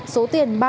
số tiền ba mươi ba